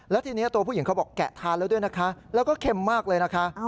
แล้วทีนี้ตัวผู้หญิงเขาบอกแกะทานแล้วด้วยนะคะแล้วก็เค็มมากเลยนะคะ